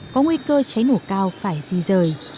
có nguy cơ cháy nổ cao phải di rời